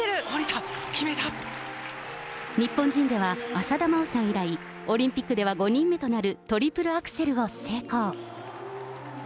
下りた、日本人では、浅田真央さん以来オリンピックでは５人目となるトリプルアクセルを成功。